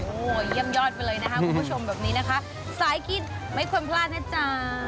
โอ้โหเยี่ยมยอดไปเลยนะคะคุณผู้ชมแบบนี้นะคะสายกินไม่ควรพลาดนะจ๊ะ